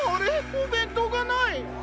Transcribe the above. おべんとうがない！